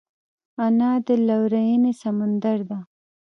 انا د لورینې سمندر ده